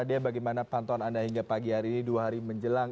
dea bagaimana pantauan anda hingga pagi hari ini dua hari menjelang